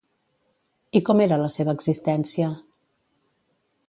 I com era la seva existència?